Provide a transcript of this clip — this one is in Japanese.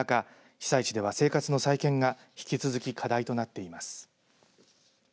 被災地では生活の再建が引き続き課題となっています。